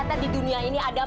ternyata di dunia ini ada